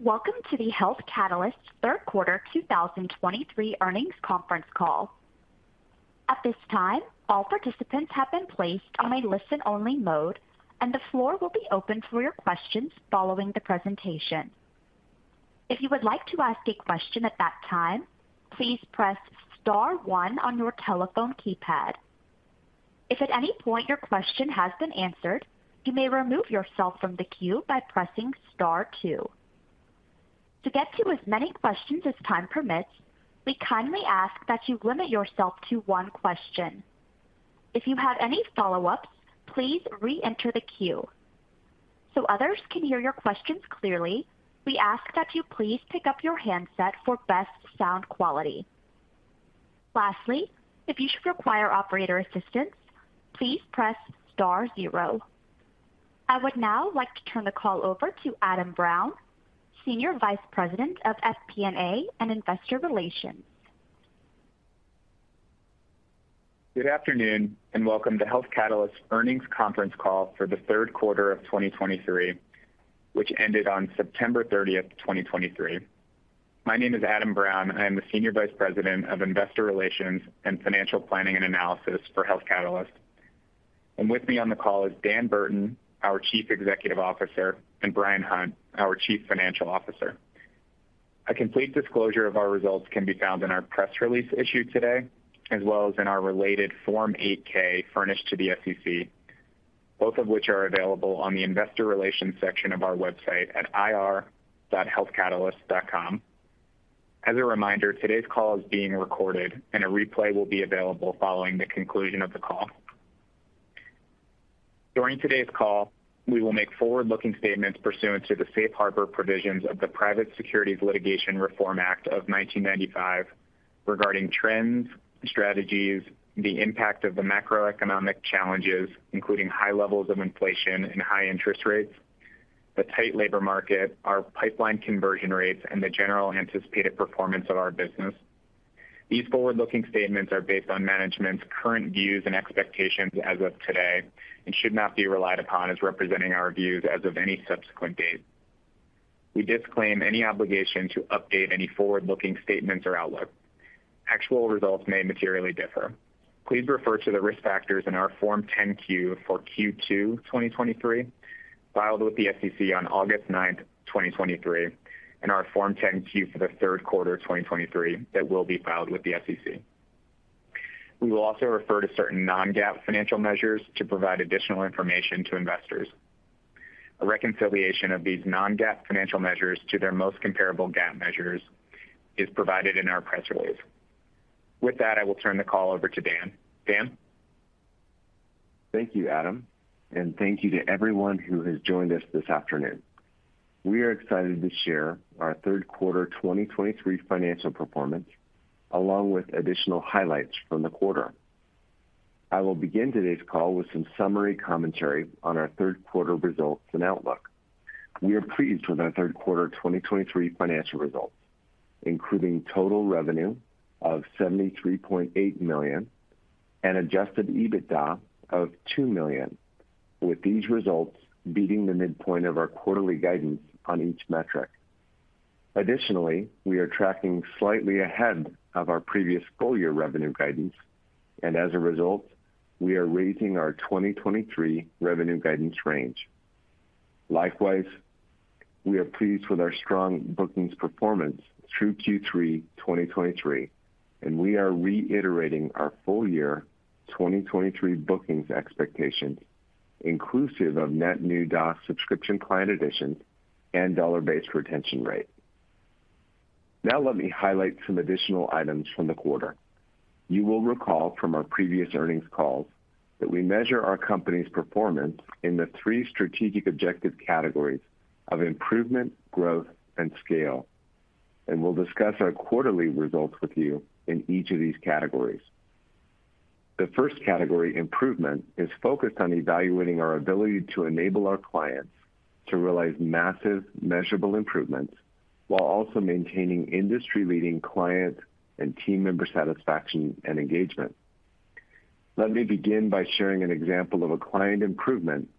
Welcome to the Health Catalyst's Q3 2023 earnings conference call. At this time, all participants have been placed on a listen-only mode, and the floor will be open for your questions following the presentation. If you would like to ask a question at that time, please press star one on your telephone keypad. If at any point your question has been answered, you may remove yourself from the queue by pressing star two. To get to as many questions as time permits, we kindly ask that you limit yourself to one question. If you have any follow-ups, please reenter the queue. So others can hear your questions clearly, we ask that you please pick up your handset for best sound quality. Lastly, if you should require operator assistance, please press star zero. I would now like to turn the call over to Adam Brown, Senior Vice President of FP&A and Investor Relations. Good afternoon, and welcome to Health Catalyst's earnings conference call for the Q3 of 2023, which ended on September 30th, 2023. My name is Adam Brown, and I'm the Senior Vice President of Investor Relations and Financial Planning and Analysis for Health Catalyst. With me on the call is Dan Burton, our Chief Executive Officer, and Bryan Hunt, our Chief Financial Officer. A complete disclosure of our results can be found in our press release issued today, as well as in our related Form 8-K furnished to the SEC, both of which are available on the Investor Relations section of our website at ir.healthcatalyst.com. As a reminder, today's call is being recorded and a replay will be available following the conclusion of the call. During today's call, we will make forward-looking statements pursuant to the Safe Harbor Provisions of the Private Securities Litigation Reform Act of 1995 regarding trends, strategies, the impact of the macroeconomic challenges, including high levels of inflation and high interest rates, the tight labor market, our pipeline conversion rates, and the general anticipated performance of our business. These forward-looking statements are based on management's current views and expectations as of today and should not be relied upon as representing our views as of any subsequent date. We disclaim any obligation to update any forward-looking statements or outlook. Actual results may materially differ. Please refer to the risk factors in our Form 10-Q for Q2 2023, filed with the SEC on August 9th, 2023, and our Form 10-Q for the Q3 of 2023, that will be filed with the SEC. We will also refer to certain non-GAAP financial measures to provide additional information to investors. A reconciliation of these non-GAAP financial measures to their most comparable GAAP measures is provided in our press release. With that, I will turn the call over to Dan. Dan? Thank you, Adam, and thank you to everyone who has joined us this afternoon. We are excited to share our Q3 2023 financial performance, along with additional highlights from the quarter. I will begin today's call with some summary commentary on our Q3 results and outlook. We are pleased with our Q3 2023 financial results, including total revenue of $73.8 million and Adjusted EBITDA of $2 million, with these results beating the midpoint of our quarterly guidance on each metric. Additionally, we are tracking slightly ahead of our previous full year revenue guidance, and as a result, we are raising our 2023 revenue guidance range. Likewise, we are pleased with our strong bookings performance through Q3 2023, and we are reiterating our full year 2023 bookings expectations, inclusive of net new DOS subscription client additions and dollar-based retention rate. Now, let me highlight some additional items from the quarter. You will recall from our previous earnings calls that we measure our company's performance in the three strategic objective categories of improvement, growth, and scale, and we'll discuss our quarterly results with you in each of these categories. The first category, improvement, is focused on evaluating our ability to enable our clients to realize massive, measurable improvements while also maintaining industry-leading client and team member satisfaction and engagement. Let me begin by sharing an example of a client improvement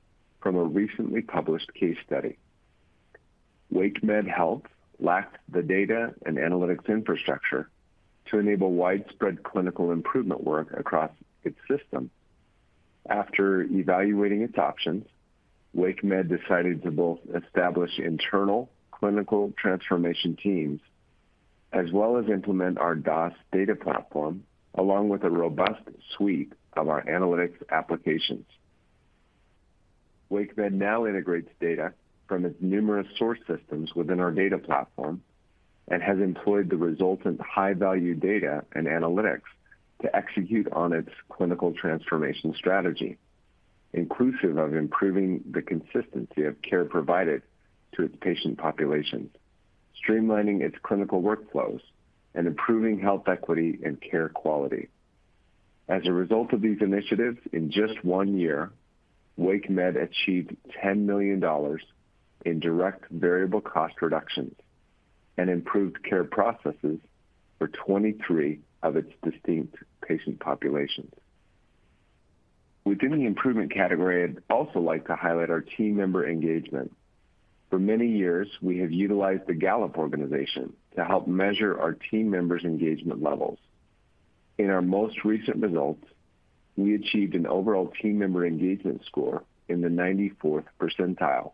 from a recently published case study. WakeMed Health lacked the data and analytics infrastructure to enable widespread clinical improvement work across its system. After evaluating its options, WakeMed decided to both establish internal clinical transformation teams as well as implement our DOS data platform, along with a robust suite of our analytics applications. WakeMed now integrates data from its numerous source systems within our data platform and has employed the resultant high-value data and analytics to execute on its clinical transformation strategy, inclusive of improving the consistency of care provided to its patient populations, streamlining its clinical workflows, and improving health equity and care quality. As a result of these initiatives, in just one year, WakeMed achieved $10 million in direct variable cost reductions and improved care processes for 2023 of its distinct patient populations. Within the improvement category, I'd also like to highlight our team member engagement. For many years, we have utilized the Gallup organization to help measure our team members' engagement levels. In our most recent results, we achieved an overall team member engagement score in the 94th percentile.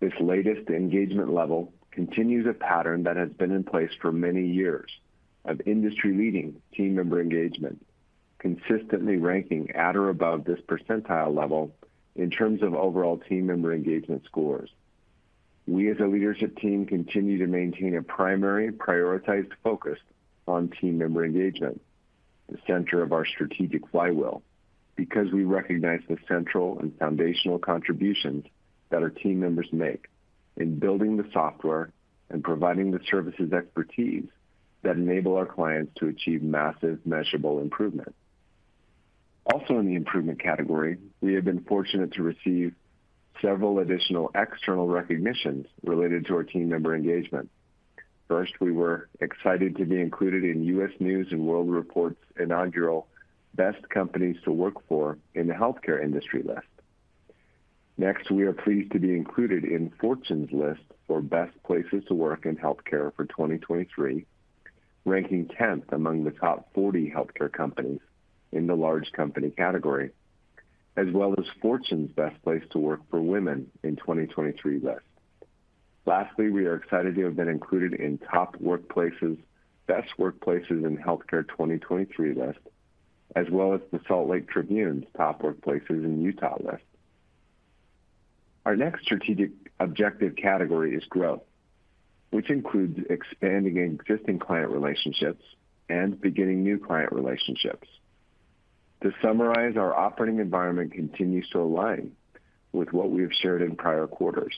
This latest engagement level continues a pattern that has been in place for many years of industry-leading team member engagement, consistently ranking at or above this percentile level in terms of overall team member engagement scores. We, as a leadership team, continue to maintain a primary prioritized focus on team member engagement, the center of our strategic flywheel, because we recognize the central and foundational contributions that our team members make in building the software and providing the services expertise that enable our clients to achieve massive measurable improvement. Also, in the improvement category, we have been fortunate to receive several additional external recognitions related to our team member engagement. First, we were excited to be included in U.S. News & World Report's inaugural Best Companies to Work For in the Healthcare Industry list. Next, we are pleased to be included in Fortune's list for Best Places to Work in Healthcare for 2023, ranking 10th among the top 40 healthcare companies in the large company category, as well as Fortune's Best Place to Work for Women in 2023 list. Lastly, we are excited to have been included in Top Workplaces, Best Workplaces in Healthcare 2023 list, as well as the Salt Lake Tribune's Top Workplaces in Utah list. Our next strategic objective category is growth, which includes expanding existing client relationships and beginning new client relationships. To summarize, our operating environment continues to align with what we have shared in prior quarters,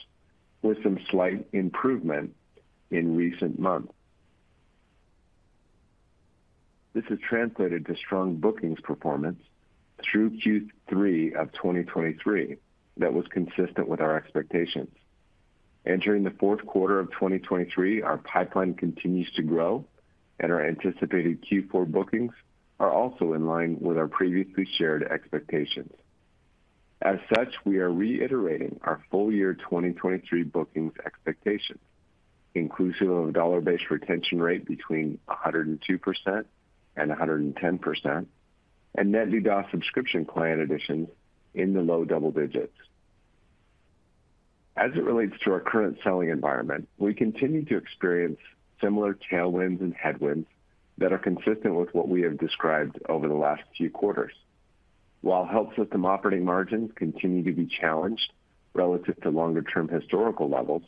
with some slight improvement in recent months. This has translated to strong bookings performance through Q3 of 2023 that was consistent with our expectations. Entering the Q4 of 2023, our pipeline continues to grow, and our anticipated Q4 bookings are also in line with our previously shared expectations. As such, we are reiterating our full year 2023 bookings expectations, inclusive of a dollar-based retention rate between 102% and 110%, and net new DOS subscription client additions in the low double digits. As it relates to our current selling environment, we continue to experience similar tailwinds and headwinds that are consistent with what we have described over the last few quarters. While health system operating margins continue to be challenged relative to longer-term historical levels,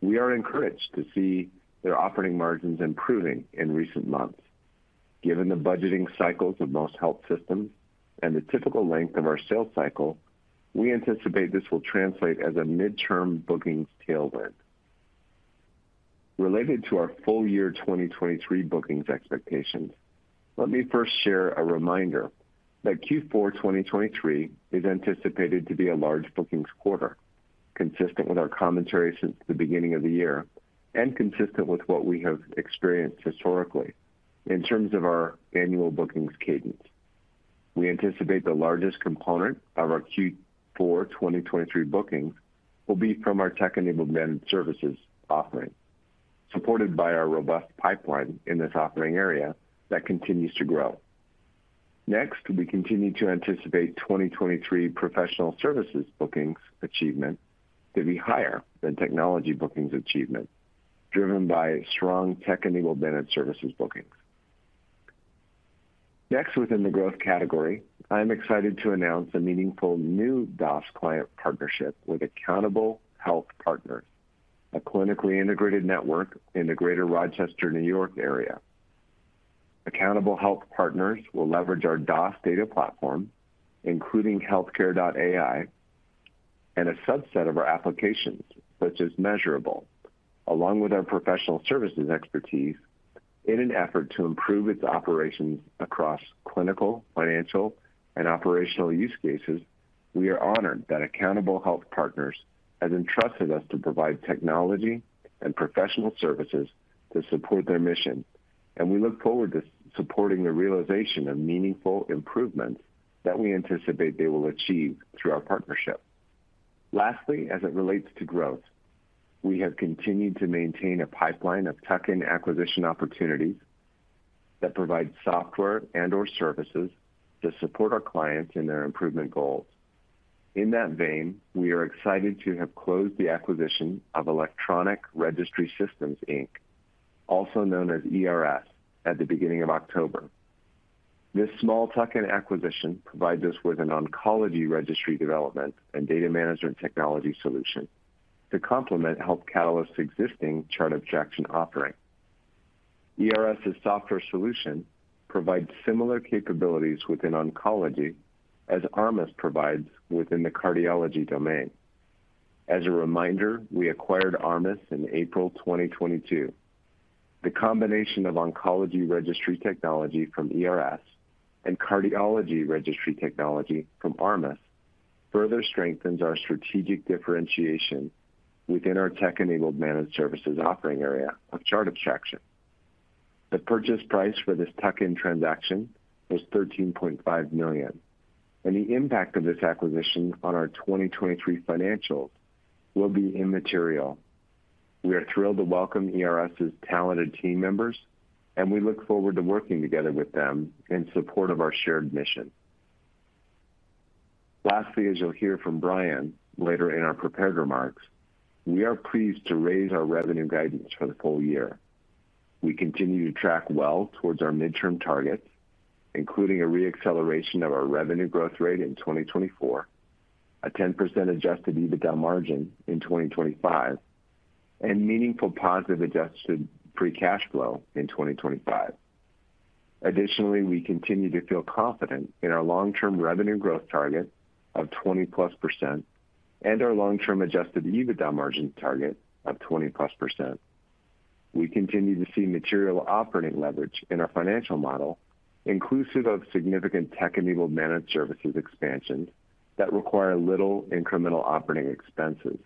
we are encouraged to see their operating margins improving in recent months. Given the budgeting cycles of most health systems and the typical length of our sales cycle, we anticipate this will translate as a midterm bookings tailwind. Related to our full year 2023 bookings expectations, let me first share a reminder that Q4 2023 is anticipated to be a large bookings quarter, consistent with our commentary since the beginning of the year, and consistent with what we have experienced historically in terms of our annual bookings cadence. We anticipate the largest component of our Q4 2023 bookings will be from our tech-enabled managed services offering, supported by our robust pipeline in this offering area that continues to grow. Next, we continue to anticipate 2023 professional services bookings achievement to be higher than technology bookings achievement, driven by strong tech-enabled managed services bookings. Next, within the growth category, I'm excited to announce a meaningful new DOS client partnership with Accountable Health Partners, a clinically integrated network in the Greater Rochester, New York, area. Accountable Health Partners will leverage our DOS data platform, including Healthcare.ai, and a subset of our applications, such as Measurable, along with our professional services expertise, in an effort to improve its operations across clinical, financial, and operational use cases. We are honored that Accountable Health Partners has entrusted us to provide technology and professional services to support their mission, and we look forward to supporting the realization of meaningful improvements that we anticipate they will achieve through our partnership. Lastly, as it relates to growth, we have continued to maintain a pipeline of tuck-in acquisition opportunities that provide software and/or services to support our clients in their improvement goals. In that vein, we are excited to have closed the acquisition of Electronic Registry Systems, Inc., also known as ERS, at the beginning of October. This small tuck-in acquisition provides us with an oncology registry development and data management technology solution to complement Health Catalyst's existing chart abstraction offering. ERS's software solution provides similar capabilities within oncology as ARMUS provides within the cardiology domain. As a reminder, we acquired ARMUS in April 2022. The combination of oncology registry technology from ERS and cardiology registry technology from ARMUS further strengthens our strategic differentiation within our tech-enabled managed services offering area of chart abstraction. The purchase price for this tuck-in transaction was $13.5 million, and the impact of this acquisition on our 2023 financials will be immaterial. We are thrilled to welcome ERS's talented team members, and we look forward to working together with them in support of our shared mission. Lastly, as you'll hear from Bryan later in our prepared remarks, we are pleased to raise our revenue guidance for the full year. We continue to track well towards our midterm targets, including a re-acceleration of our revenue growth rate in 2024, a 10% Adjusted EBITDA margin in 2025, and meaningful positive adjusted free cash flow in 2025. Additionally, we continue to feel confident in our long-term revenue growth target of 20%+ and our long-term Adjusted EBITDA margin target of 20%+. We continue to see material operating leverage in our financial model, inclusive of significant tech-enabled managed services expansions that require little incremental operating expenses.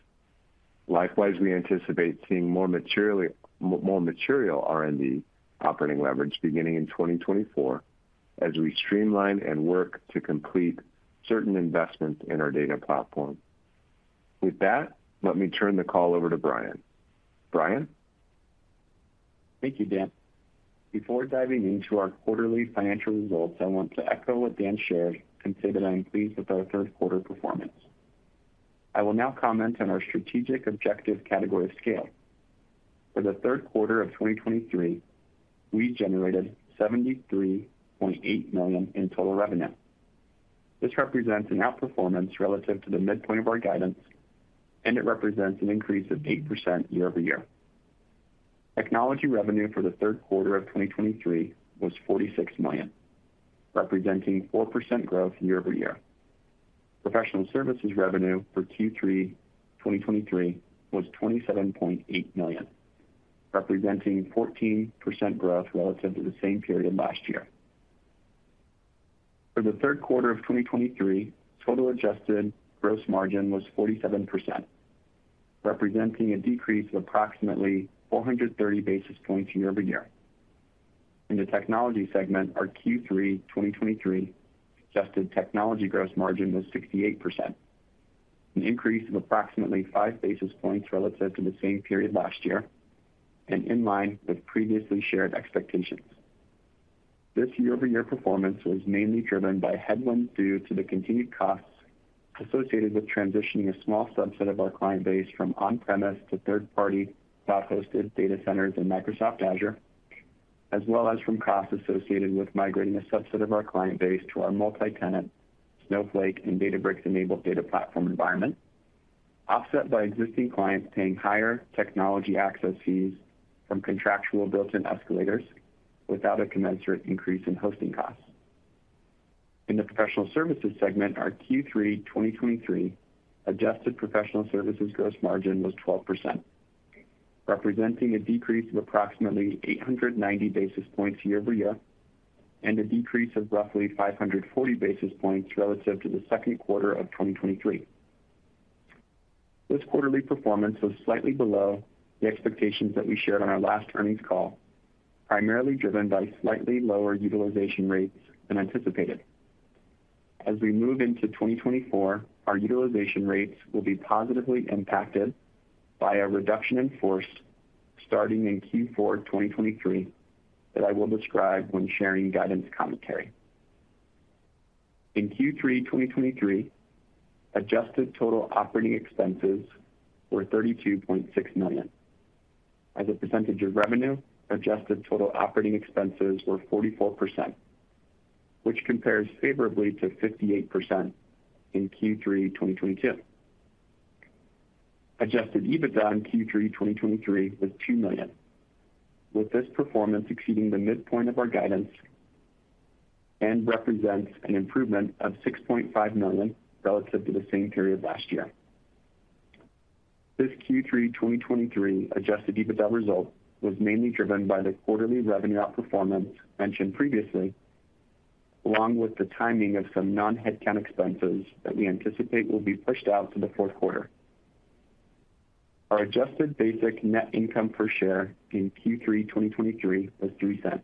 Likewise, we anticipate seeing more materially, more material R&D operating leverage beginning in 2024 as we streamline and work to complete certain investments in our data platform. With that, let me turn the call over to Bryan. Bryan? Thank you, Dan. Before diving into our quarterly financial results, I want to echo what Dan shared and say that I am pleased with our Q3 performance. I will now comment on our strategic objective category of scale. For the Q3 of 2023, we generated $73.8 million in total revenue. This represents an outperformance relative to the midpoint of our guidance, and it represents an increase of 8% year-over-year. Technology revenue for the Q3 of 2023 was $46 million, representing 4% growth year-over-year. Professional services revenue for Q3 2023 was $27.8 million, representing 14% growth relative to the same period last year. For the Q3 of 2023, total Adjusted Gross Margin was 47%, representing a decrease of approximately 430 basis points year-over-year. In the technology segment, our Q3 2023 adjusted technology gross margin was 68%, an increase of approximately 5 basis points relative to the same period last year and in line with previously shared expectations. This year-over-year performance was mainly driven by headwinds due to the continued costs associated with transitioning a small subset of our client base from on-premise to third-party cloud-hosted data centers in Microsoft Azure, as well as from costs associated with migrating a subset of our client base to our multi-tenant Snowflake and Databricks-enabled data platform environment, offset by existing clients paying higher technology access fees from contractual built-in escalators without a commensurate increase in hosting costs. In the professional services segment, our Q3 2023 adjusted professional services gross margin was 12%, representing a decrease of approximately 890 basis points year-over-year, and a decrease of roughly 540 basis points relative to the Q2 of 2023. This quarterly performance was slightly below the expectations that we shared on our last earnings call, primarily driven by slightly lower utilization rates than anticipated. As we move into 2024, our utilization rates will be positively impacted by a reduction in force starting in Q4 2023, that I will describe when sharing guidance commentary. In Q3 2023, adjusted total operating expenses were $32.6 million. As a percentage of revenue, adjusted total operating expenses were 44%, which compares favorably to 58% in Q3 2022. Adjusted EBITDA in Q3 2023 was $2 million, with this performance exceeding the midpoint of our guidance and represents an improvement of $6.5 million relative to the same period last year. This Q3 2023 adjusted EBITDA result was mainly driven by the quarterly revenue outperformance mentioned previously, along with the timing of some non-headcount expenses that we anticipate will be pushed out to the Q4. Our adjusted basic net income per share in Q3 2023 was $0.03.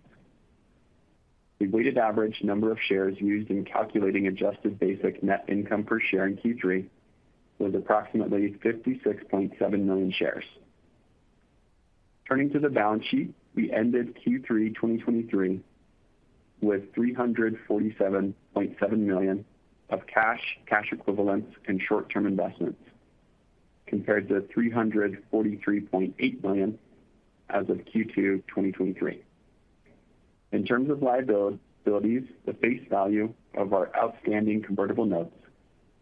The weighted average number of shares used in calculating adjusted basic net income per share in Q3 was approximately 56.7 million shares. Turning to the balance sheet, we ended Q3 2023 with $347.7 million of cash, cash equivalents, and short-term investments, compared to $343.8 million as of Q2 2023. In terms of liabilities, the face value of our outstanding convertible notes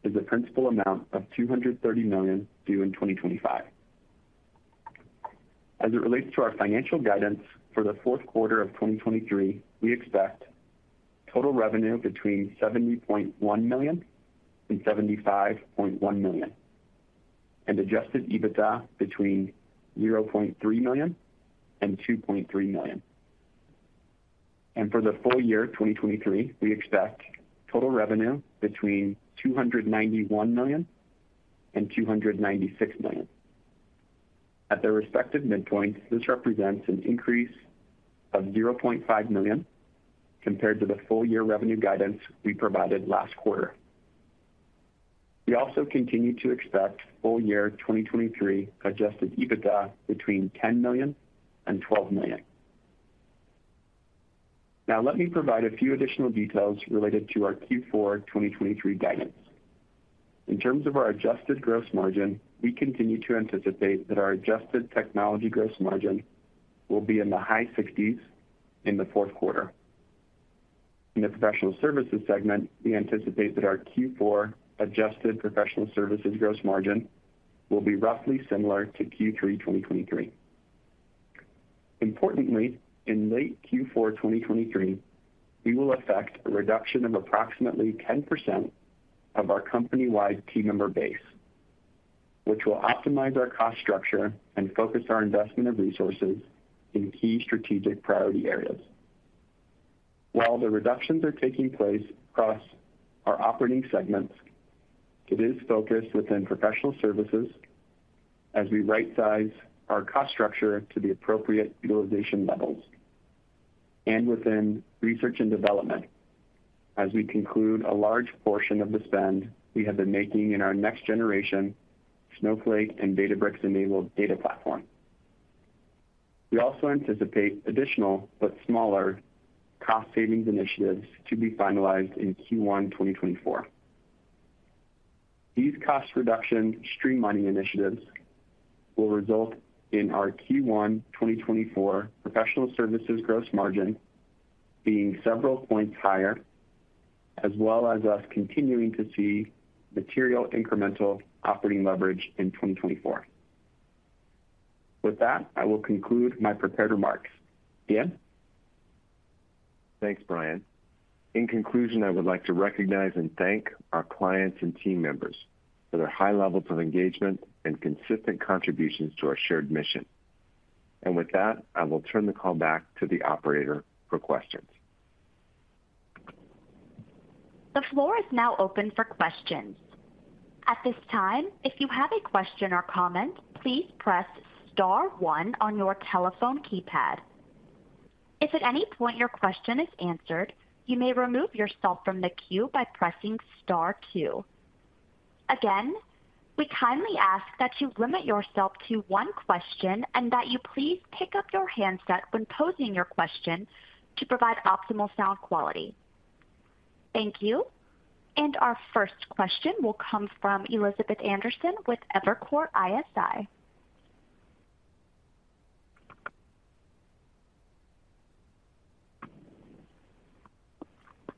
is a principal amount of $230 million due in 2025. As it relates to our financial guidance for the Q4 of 2023, we expect total revenue between $70.1 million and $75.1 million, and adjusted EBITDA between $0.3 million and $2.3 million. For the full year, 2023, we expect total revenue between $291 million and $296 million. At their respective midpoints, this represents an increase of $0.5 million compared to the full year revenue guidance we provided last quarter. We also continue to expect full year 2023 adjusted EBITDA between $10 million and $12 million. Now, let me provide a few additional details related to our Q4 2023 guidance. In terms of our adjusted gross margin, we continue to anticipate that our adjusted technology gross margin will be in the high 60s in the Q4. In the professional services segment, we anticipate that our Q4 adjusted professional services gross margin will be roughly similar to Q3 2023. Importantly, in late Q4 2023, we will affect a reduction of approximately 10% of our company-wide team member base, which will optimize our cost structure and focus our investment of resources in key strategic priority areas. While the reductions are taking place across our operating segments, it is focused within professional services as we rightsize our cost structure to the appropriate utilization levels, and within research and development as we conclude a large portion of the spend we have been making in our next generation Snowflake and Databricks-enabled data platform. We also anticipate additional, but smaller, cost savings initiatives to be finalized in Q1 2024. These cost reduction streamlining initiatives will result in our Q1 2024 professional services gross margin being several points higher, as well as us continuing to see material incremental operating leverage in 2024. With that, I will conclude my prepared remarks. Dan? Thanks, Bryan. In conclusion, I would like to recognize and thank our clients and team members for their high levels of engagement and consistent contributions to our shared mission. With that, I will turn the call back to the operator for questions. The floor is now open for questions. At this time, if you have a question or comment, please press star one on your telephone keypad. If at any point your question is answered, you may remove yourself from the queue by pressing star two. Again, we kindly ask that you limit yourself to one question, and that you please pick up your handset when posing your question to provide optimal sound quality. Thank you. Our first question will come from Elizabeth Anderson with Evercore ISI.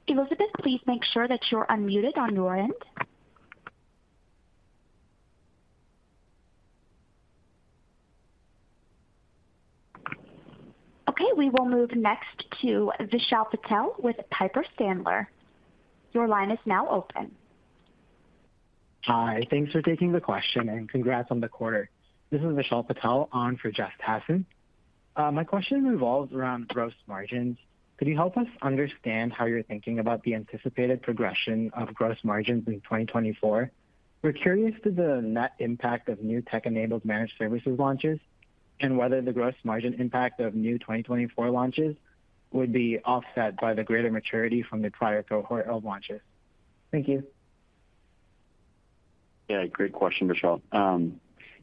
Elizabeth, please make sure that you're unmuted on your end. Okay, we will move next to Vishal Patel with Piper Sandler. Your line is now open. Hi. Thanks for taking the question, and congrats on the quarter. This is Vishal Patel on for Jeff Hassan. My question revolves around gross margins. Could you help us understand how you're thinking about the anticipated progression of gross margins in 2024? We're curious to the net impact of new tech-enabled managed services launches, and whether the gross margin impact of new 2024 launches would be offset by the greater maturity from the prior cohort of launches. Thank you. Yeah, great question, Vishal.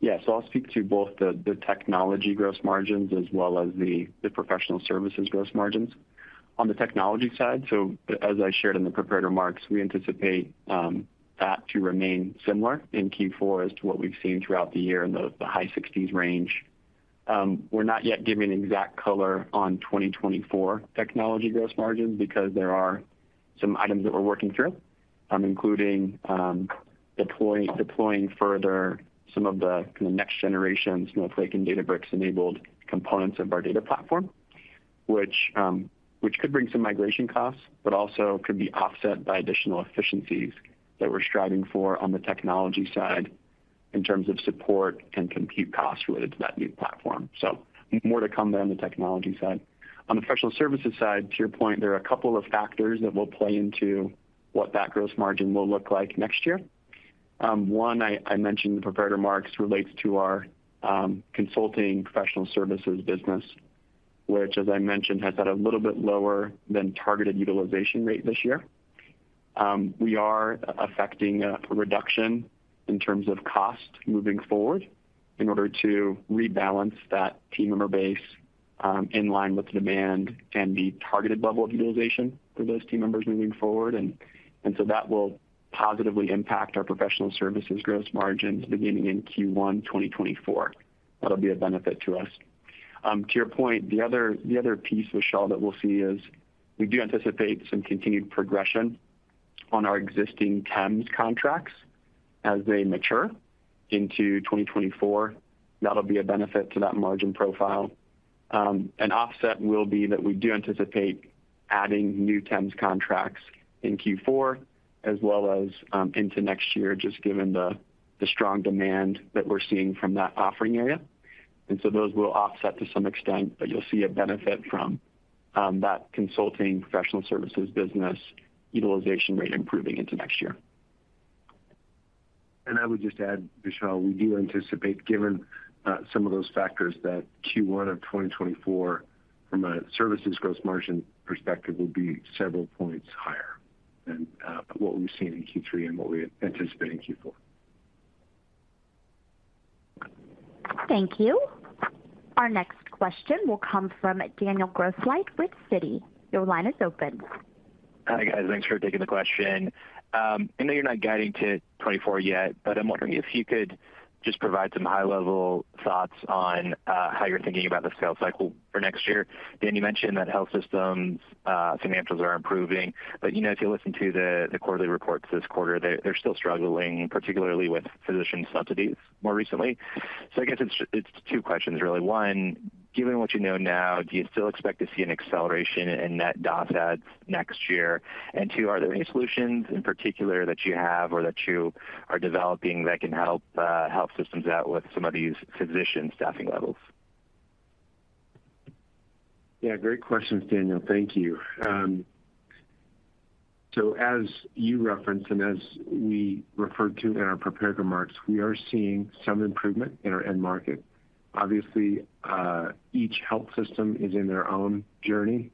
Yeah, so I'll speak to both the technology gross margins as well as the professional services gross margins. On the technology side, so as I shared in the prepared remarks, we anticipate that to remain similar in Q4 as to what we've seen throughout the year in the high 60s range. We're not yet giving exact color on 2024 technology gross margins because there are some items that we're working through, including deploying further some of the next generation Snowflake and Databricks-enabled components of our data platform, which could bring some migration costs, but also could be offset by additional efficiencies that we're striving for on the technology side in terms of support and compute costs related to that new platform. So more to come there on the technology side. On the professional services side, to your point, there are a couple of factors that will play into what that gross margin will look like next year. One, I mentioned in the prepared remarks, relates to our consulting professional services business, which, as I mentioned, has had a little bit lower than targeted utilization rate this year. We are affecting a reduction in terms of cost moving forward in order to rebalance that team member base, in line with demand and the targeted level of utilization for those team members moving forward. So that will positively impact our professional services gross margins beginning in Q1 2024. That'll be a benefit to us. To your point, the other piece, Vishal, that we'll see is we do anticipate some continued progression on our existing TEMS contracts as they mature into 2024. That'll be a benefit to that margin profile. An offset will be that we do anticipate adding new TEMS contracts in Q4 as well as into next year, just given the strong demand that we're seeing from that offering area. And so those will offset to some extent, but you'll see a benefit from that consulting professional services business utilization rate improving into next year. I would just add, Vishal, we do anticipate, given some of those factors, that Q1 of 2024, from a services gross margin perspective, will be several points higher than what we've seen in Q3 and what we anticipate in Q4. Thank you. Our next question will come from Daniel Grosslight with Citi. Your line is open. Hi, guys. Thanks for taking the question. I know you're not guiding to 2024 yet, but I'm wondering if you could just provide some high-level thoughts on how you're thinking about the sales cycle for next year. Dan, you mentioned that health systems' financials are improving, but, you know, if you listen to the quarterly reports this quarter, they're still struggling, particularly with physician subsidies more recently. So I guess it's two questions, really. One, given what you know now, do you still expect to see an acceleration in net DOS ads next year? And two, are there any solutions in particular that you have or that you are developing that can help health systems out with some of these physician staffing levels? Yeah, great questions, Daniel. Thank you. So as you referenced, and as we referred to in our prepared remarks, we are seeing some improvement in our end market. Obviously, each health system is in their own journey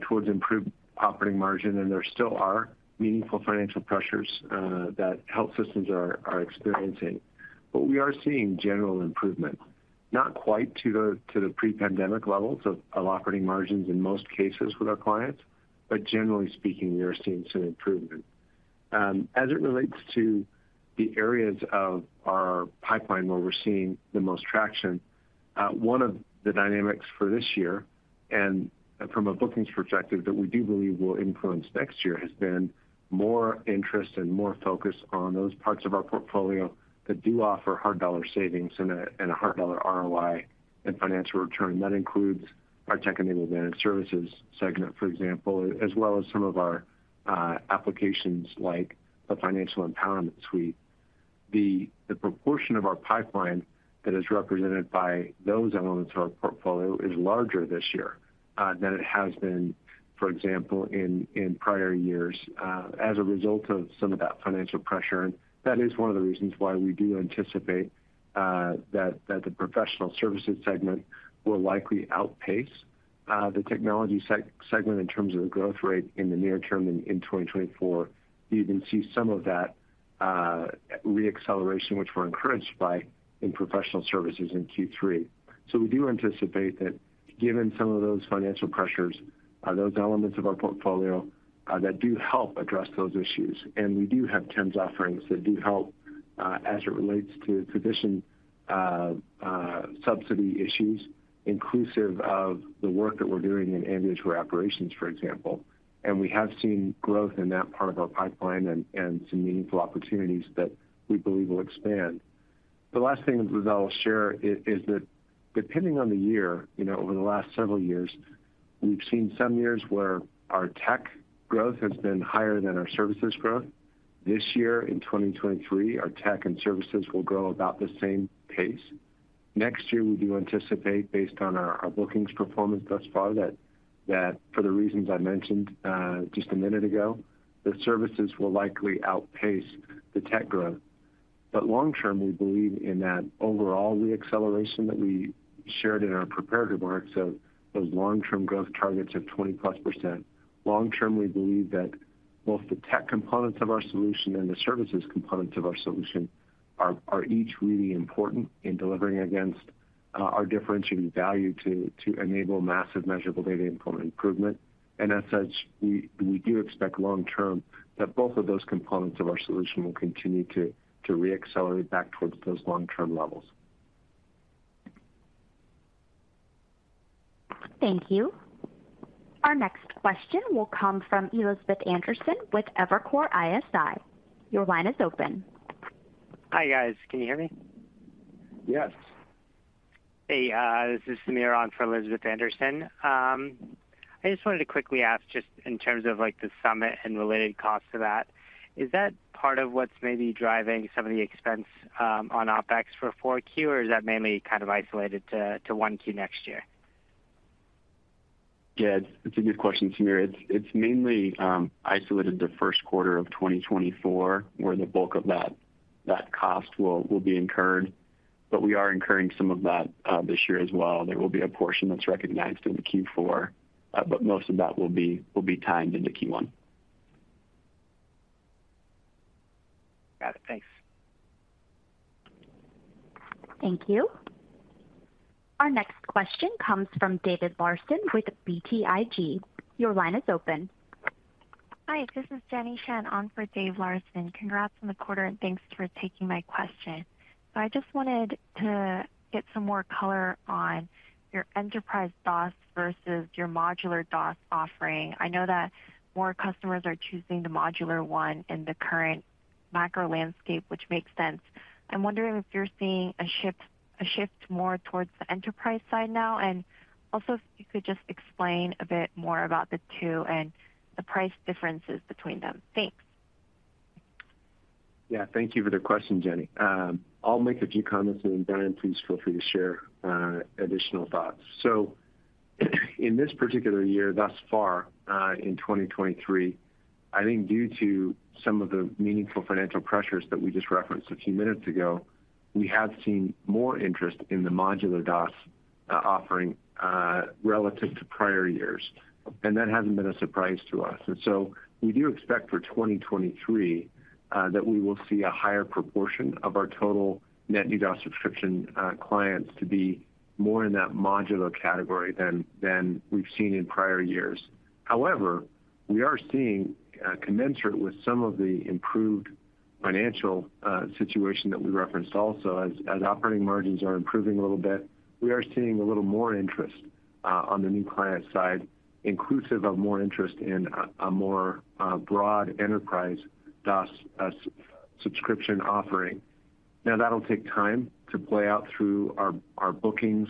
towards improved operating margin, and there still are meaningful financial pressures that health systems are experiencing. But we are seeing general improvement, not quite to the pre-pandemic levels of operating margins in most cases with our clients, but generally speaking, we are seeing some improvement. As it relates to the areas of our pipeline where we're seeing the most traction, one of the dynamics for this year, and from a bookings perspective that we do believe will influence next year, has been more interest and more focus on those parts of our portfolio that do offer hard dollar savings and a hard dollar ROI and financial return. That includes our Tech-Enabled Managed Services segment, for example, as well as some of our applications like the Financial Empowerment Suite. The proportion of our pipeline that is represented by those elements of our portfolio is larger this year than it has been, for example, in prior years, as a result of some of that financial pressure. That is one of the reasons why we do anticipate that the professional services segment will likely outpace the technology segment in terms of the growth rate in the near term in 2024. You can see some of that reacceleration, which we're encouraged by, in professional services in Q3. So we do anticipate that given some of those financial pressures, those elements of our portfolio that do help address those issues. We do have TEMS offerings that do help as it relates to physician subsidy issues, inclusive of the work that we're doing in ambulatory operations, for example. We have seen growth in that part of our pipeline and some meaningful opportunities that we believe will expand. The last thing that I will share is that depending on the year, you know, over the last several years, we've seen some years where our tech growth has been higher than our services growth. This year, in 2023, our tech and services will grow about the same pace. Next year, we do anticipate, based on our bookings performance thus far, that for the reasons I mentioned just a minute ago, the services will likely outpace the tech growth. But long term, we believe in that overall reacceleration that we shared in our prepared remarks of those long-term growth targets of 20%+. Long term, we believe that both the tech components of our solution and the services components of our solution are each really important in delivering against our differentiating value to enable massive, measurable data and performance improvement. As such, we do expect long-term that both of those components of our solution will continue to reaccelerate back towards those long-term levels. Thank you. Our next question will come from Elizabeth Anderson with Evercore ISI. Your line is open. Hi, guys. Can you hear me? Yes. Hey, this is Samir on for Elizabeth Anderson. I just wanted to quickly ask, just in terms of, like, the summit and related costs to that, is that part of what's maybe driving some of the expense, on OpEx for 4Q, or is that mainly kind of isolated to 1Q next year? Yeah, it's a good question, Samir. It's mainly isolated to the Q1 of 2024, where the bulk of that cost will be incurred, but we are incurring some of that this year as well. There will be a portion that's recognized in the Q4, but most of that will be timed into Q1. Got it. Thanks. Thank you. Our next question comes from David Larsen with BTIG. Your line is open. Hi, this is Jenny Shen on for David Larsen. Congrats on the quarter, and thanks for taking my question. I just wanted to get some more color on your Enterprise DOS versus your Modular DOS offering. I know that more customers are choosing the modular one in the current macro landscape, which makes sense. I'm wondering if you're seeing a shift more towards the enterprise side now, and also if you could just explain a bit more about the two and the price differences between them. Thanks. Yeah, thank you for the question, Jenny. I'll make a few comments, and Bryan, please feel free to share additional thoughts. In this particular year, thus far, in 2023, I think due to some of the meaningful financial pressures that we just referenced a few minutes ago, we have seen more interest in the Modular DOS offering, relative to prior years, and that hasn't been a surprise to us. So we do expect for 2023, that we will see a higher proportion of our total net new DOS subscription clients to be more in that modular category than we've seen in prior years. However, we are seeing, commensurate with some of the improved financial situation that we referenced also, as operating margins are improving a little bit, we are seeing a little more interest on the new client side, inclusive of more interest in a more broad enterprise DOS subscription offering. Now, that'll take time to play out through our bookings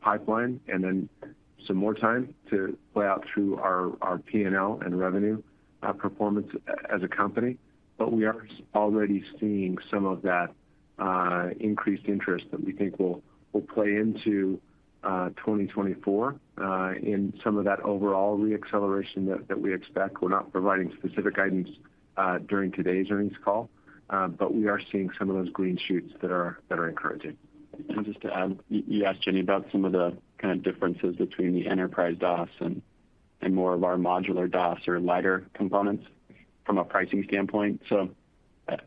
pipeline, and then some more time to play out through our P&L and revenue performance as a company. But we are already seeing some of that increased interest that we think will play into 2024 in some of that overall reacceleration that we expect. We're not providing specific guidance during today's earnings call, but we are seeing some of those green shoots that are encouraging. And just to add, you asked Jenny about some of the kind of differences between the Enterprise DOS and more of our Modular DOS or lighter components from a pricing standpoint. So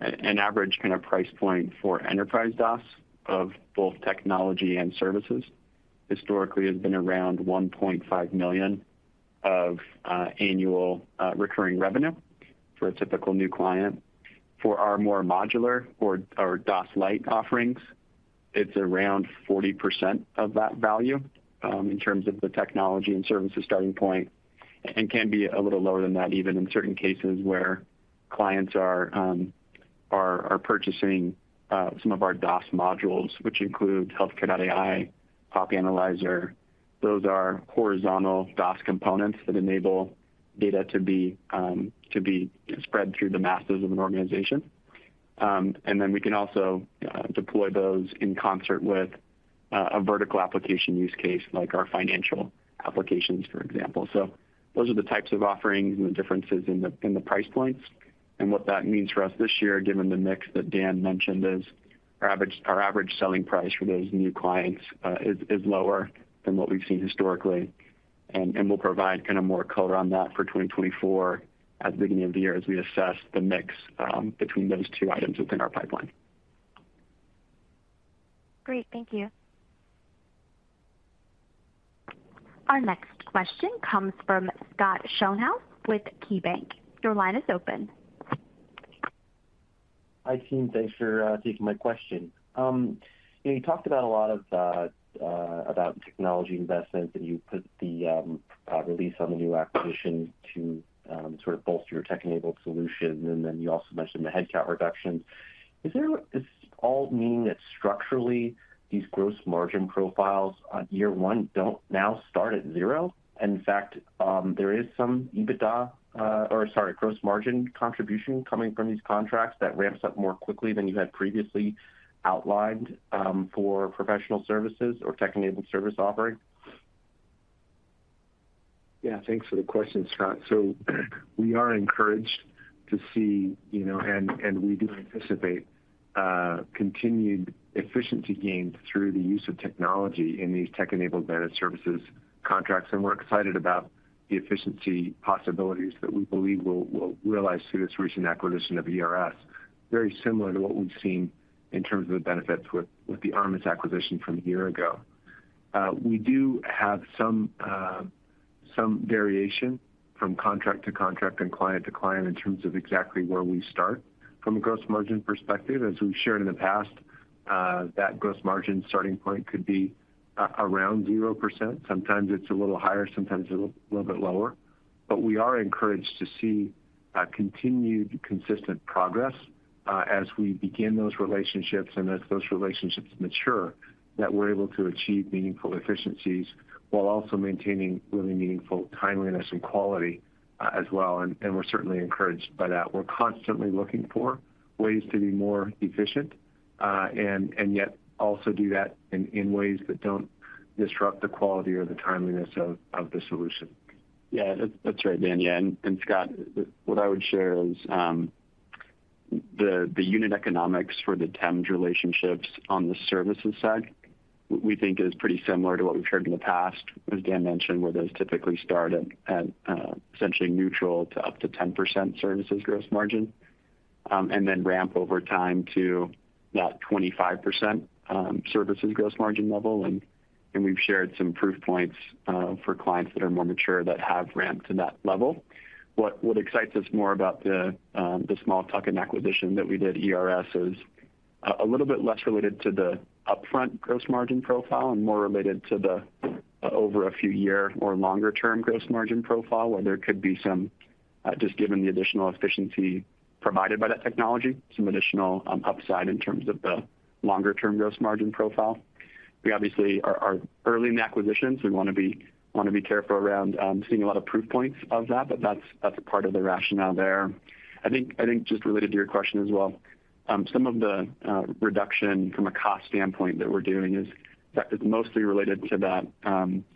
an average kind of price point for Enterprise DOS of both technology and services historically has been around $1.5 million of annual recurring revenue for a typical new client. For our more modular or our DOS light offerings, it's around 40% of that value in terms of the technology and services starting point, and can be a little lower than that, even in certain cases where clients are purchasing some of our DOS modules, which includes Healthcare.ai, Pop Analyzer. Those are horizontal DOS components that enable data to be spread through the masses of an organization. And then we can also deploy those in concert with a vertical application use case, like our financial applications, for example. So those are the types of offerings and the differences in the price points. And what that means for us this year, given the mix that Dan mentioned, is our average selling price for those new clients is lower than what we've seen historically. And we'll provide kind of more color on that for 2024 at the beginning of the year, as we assess the mix between those two items within our pipeline. Great, thank you. Our next question comes from Scott Schoenhaus with KeyBanc Capital Markets. Your line is open. Hi, team. Thanks for taking my question. You know, you talked about a lot of technology investments, and you put the release on the new acquisition to sort of bolster your tech-enabled solution, and then you also mentioned the headcount reductions. Does this all mean that structurally, these gross margin profiles on year one don't now start at zero? And in fact, there is some EBITDA, or sorry, gross margin contribution coming from these contracts that ramps up more quickly than you had previously outlined for professional services or tech-enabled service offerings? Yeah, thanks for the question, Scott. So we are encouraged to see, you know, and we do anticipate continued efficiency gains through the use of technology in these tech-enabled managed services contracts. And we're excited about the efficiency possibilities that we believe we'll realize through this recent acquisition of ERS, very similar to what we've seen in terms of the benefits with the ARMUS acquisition from a year ago. We do have some variation from contract to contract and client to client in terms of exactly where we start from a gross margin perspective. As we've shared in the past, that gross margin starting point could be around 0%. Sometimes it's a little higher, sometimes a little bit lower. But we are encouraged to see continued consistent progress as we begin those relationships and as those relationships mature, that we're able to achieve meaningful efficiencies while also maintaining really meaningful timeliness and quality as well. And we're certainly encouraged by that. We're constantly looking for ways to be more efficient, and yet also do that in ways that don't disrupt the quality or the timeliness of the solution. Yeah, that's, that's right, Dan. Yeah, and, and Scott, what I would share is, the unit economics for the TEMS relationships on the services side, we think is pretty similar to what we've shared in the past, as Dan mentioned, where those typically start at, essentially neutral to up to 10% services gross margin, and then ramp over time to that 25%, services gross margin level. And, and we've shared some proof points, for clients that are more mature that have ramped to that level. What excites us more about the small tuck-in acquisition that we did at ERS is a little bit less related to the upfront gross margin profile and more related to the over a few year or longer term gross margin profile, where there could be some just given the additional efficiency provided by that technology, some additional upside in terms of the longer term gross margin profile. We obviously are early in the acquisition, so we wanna be careful around seeing a lot of proof points of that, but that's a part of the rationale there. I think just related to your question as well, some of the reduction from a cost standpoint that we're doing is mostly related to that,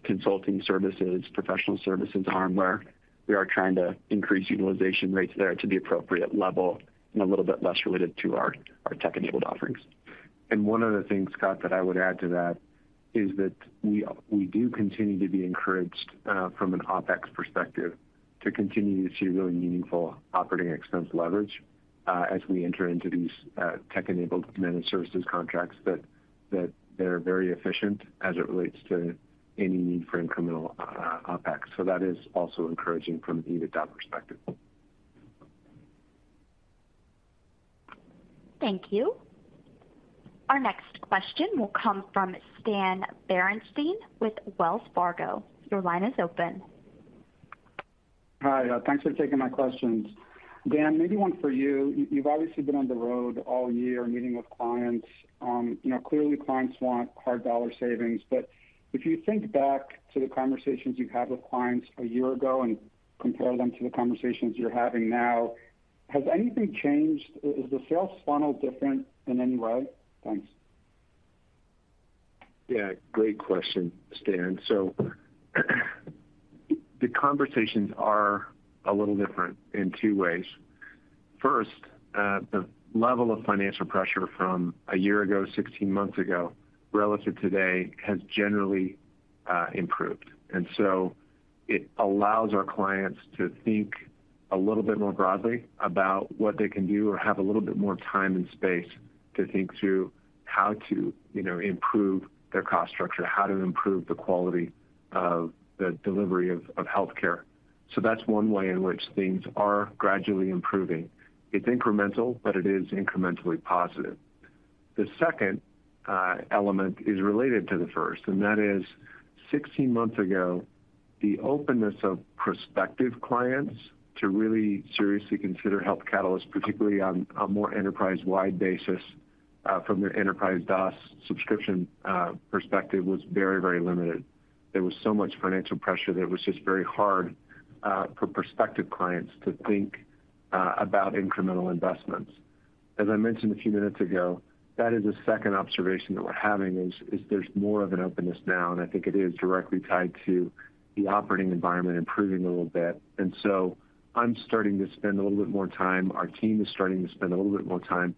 consulting services, professional services hardware. We are trying to increase utilization rates there to the appropriate level and a little bit less related to our tech-enabled offerings. One of the things, Scott, that I would add to that is that we do continue to be encouraged from an OpEx perspective to continue to see really meaningful operating expense leverage as we enter into these tech-enabled managed services contracts, that they're very efficient as it relates to any need for incremental OpEx. So that is also encouraging from the EBITDA perspective. Thank you. Our next question will come from Stan Berenshteyn with Wells Fargo. Your line is open. Hi, thanks for taking my questions. Dan, maybe one for you. You've obviously been on the road all year meeting with clients. You know, clearly clients want hard dollar savings, but if you think back to the conversations you had with clients a year ago and compare them to the conversations you're having now, has anything changed? Is the sales funnel different in any way? Thanks. Yeah, great question, Stan. So the conversations are a little different in two ways. First, the level of financial pressure from a year ago, 16 months ago, relative to today, has generally improved. And so it allows our clients to think a little bit more broadly about what they can do, or have a little bit more time and space to think through how to, you know, improve their cost structure, how to improve the quality of the delivery of healthcare. So that's one way in which things are gradually improving. It's incremental, but it is incrementally positive. The second element is related to the first, and that is 16 months ago, the openness of prospective clients to really seriously consider Health Catalyst, particularly on a more enterprise-wide basis, from an enterprise DOS subscription perspective, was very, very limited. There was so much financial pressure that it was just very hard for prospective clients to think about incremental investments. As I mentioned a few minutes ago, that is a second observation that we're having. There's more of an openness now, and I think it is directly tied to the operating environment improving a little bit. So I'm starting to spend a little bit more time. Our team is starting to spend a little bit more time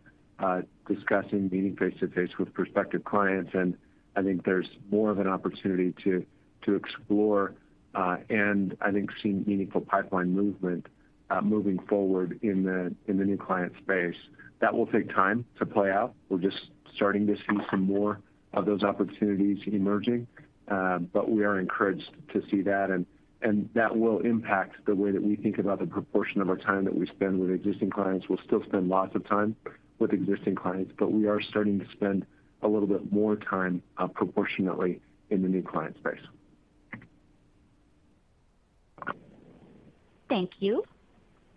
discussing, meeting face-to-face with prospective clients, and I think there's more of an opportunity to explore, and I think see meaningful pipeline movement moving forward in the new client space. That will take time to play out. We're just starting to see some more of those opportunities emerging, but we are encouraged to see that, and, and that will impact the way that we think about the proportion of our time that we spend with existing clients. We'll still spend lots of time with existing clients, but we are starting to spend a little bit more time, proportionately in the new client space. Thank you.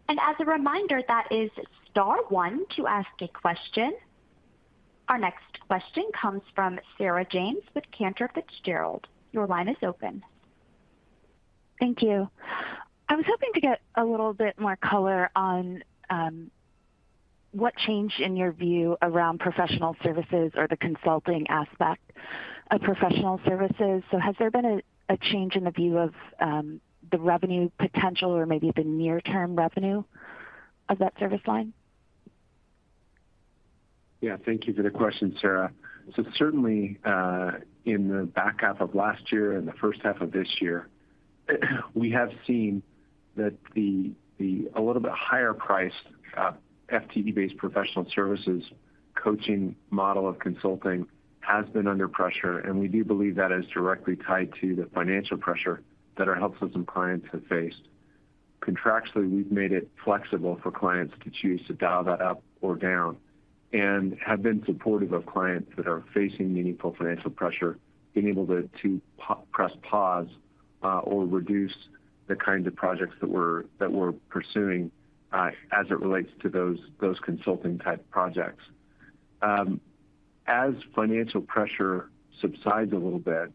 As a reminder, that is star one to ask a question. Our next question comes from Sarah James with Cantor Fitzgerald. Your line is open. Thank you. I was hoping to get a little bit more color on, what changed in your view around professional services or the consulting aspect of professional services. So has there been a change in the view of, the revenue potential or maybe the near-term revenue of that service line? Yeah, thank you for the question, Sarah. So certainly, in the back half of last year and the H1 of this year, we have seen that the a little bit higher priced FTE-based professional services coaching model of consulting has been under pressure, and we do believe that is directly tied to the financial pressure that our health system clients have faced. Contractually, we've made it flexible for clients to choose to dial that up or down, and have been supportive of clients that are facing meaningful financial pressure, being able to press pause, or reduce the kinds of projects that we're pursuing, as it relates to those consulting-type projects. As financial pressure subsides a little bit,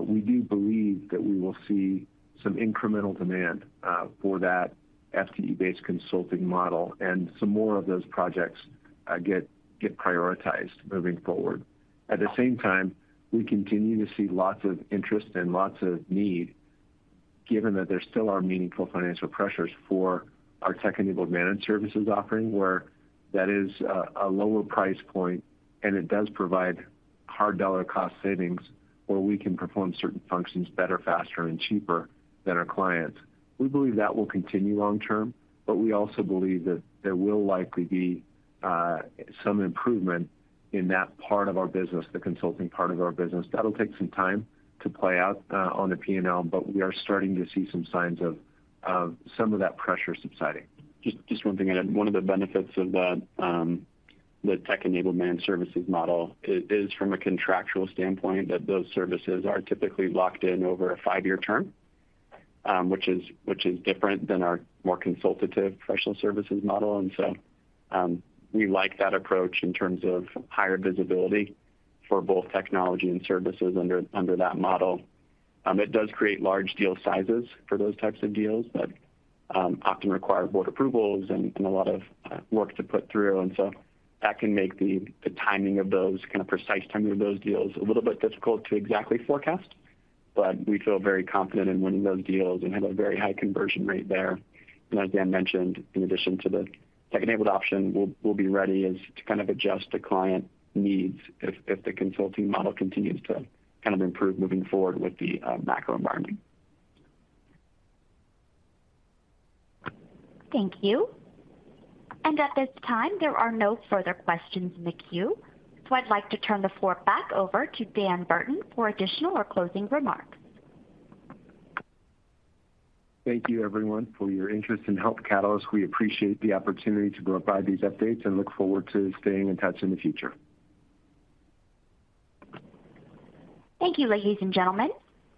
we do believe that we will see some incremental demand for that FTE-based consulting model and some more of those projects get prioritized moving forward. At the same time, we continue to see lots of interest and lots of need, given that there still are meaningful financial pressures for our tech-enabled managed services offering, where that is a lower price point, and it does provide hard dollar cost savings, where we can perform certain functions better, faster, and cheaper than our clients. We believe that will continue long term, but we also believe that there will likely be some improvement in that part of our business, the consulting part of our business. That'll take some time to play out on the PNL, but we are starting to see some signs of some of that pressure subsiding. Just one thing I'd add. One of the benefits of the Tech-Enabled Managed Services model is from a contractual standpoint that those services are typically locked in over a five-year term, which is different than our more consultative professional services model. And so, we like that approach in terms of higher visibility for both technology and services under that model. It does create large deal sizes for those types of deals that often require board approvals and a lot of work to put through. And so that can make the kind of precise timing of those deals a little bit difficult to exactly forecast. But we feel very confident in winning those deals and have a very high conversion rate there. As Dan mentioned, in addition to the tech-enabled option, we'll be ready to kind of adjust to client needs if the consulting model continues to kind of improve moving forward with the macro environment. Thank you. At this time, there are no further questions in the queue, so I'd like to turn the floor back over to Dan Burton for additional or closing remarks. Thank you, everyone, for your interest in Health Catalyst. We appreciate the opportunity to provide these updates and look forward to staying in touch in the future. Thank you, ladies and gentlemen.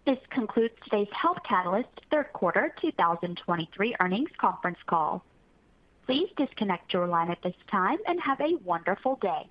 This concludes today's Health Catalyst Q3 2023 earnings conference call. Please disconnect your line at this time and have a wonderful day.